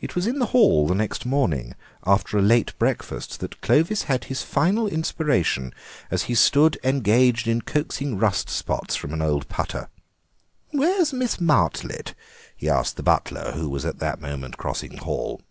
It was in the hall the next morning after a late breakfast that Clovis had his final inspiration as he stood engaged in coaxing rust spots from an old putter. "Where is Miss Martlet?" he asked the butler, who was at that moment crossing the hall.